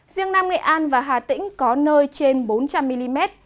riêng nam nghệ an và hà tĩnh có nơi trên bốn trăm linh mm